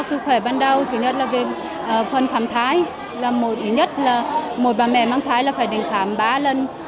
thứ nhất là về phần khám thái là một ý nhất là một bà mẹ mang thái là phải đến khám ba lần